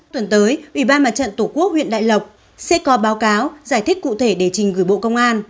tuần tới ủy ban mặt trận tổ quốc huyện đại lộc sẽ có báo cáo giải thích cụ thể để trình gửi bộ công an